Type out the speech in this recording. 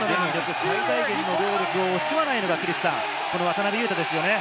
最大限の労力を惜しまないのが渡邊雄太ですよね。